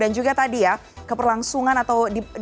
dan juga tadi ya keperlangsungan atau dilanjutkan reklamasi ini juga